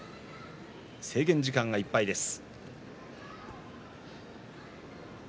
制限時間がいっぱいです。